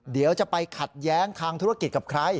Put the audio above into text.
เดี๋ยวจะไปขัดแย้งทางธุรกิจกับใคร